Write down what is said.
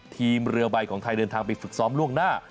ทีมเรือใบของไทยเดินทางไปฝึกซ้อมล่วงหน้า